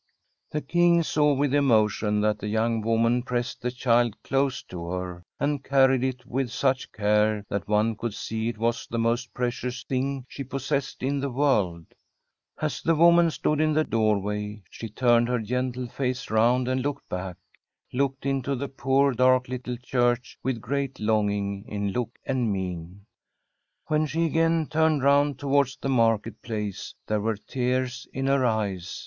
The King saw with emotion that the young woman pressed the child close to her, and car ried it with such care, that one could see it was M SWEDISH HOM£ST£AD the most precioiis thing she possessed in the worfcL As the woman stood in the doorway she turned her gentle face round and looked back, looked otto die poor» dark Uttle church with great long 80$ in kx>k and mien. When she again turned rooad towards the Market Place there were tears itt ber eyes.